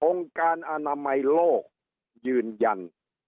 การอนามัยโลกยืนยัน